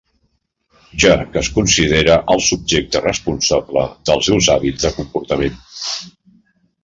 Ja que es considera el subjecte responsable dels seus hàbits de comportament.